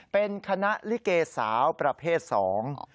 เป็นคณะลิเกสาวประเภทสอง